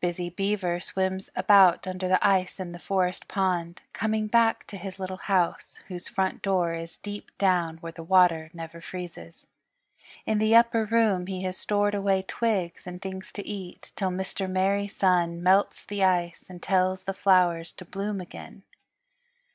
Busy Beaver swims about under the ice in the Forest Pond, coming back to his little house, whose front door is deep down where the water never freezes. In the upper room he has stored away twigs and things to eat till Mr. Merry Sun melts the ice and tells the flowers to bloom again.